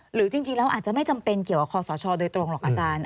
หรือจริงแล้วอาจจะไม่จำเป็นเกี่ยวกับคอสชโดยตรงหรอกอาจารย์